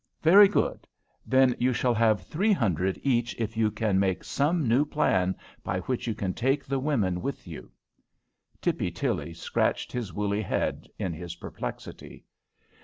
"Very good. Then you shall have three hundred each if you can make some new plan by which you can take the women with you." Tippy Tilly scratched his woolly head in his perplexity.